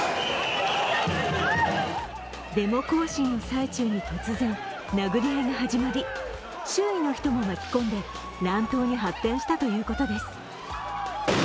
デモ行進の最中に突然、殴り合いが始まり周囲の人も巻き込んで乱闘に発展したということです。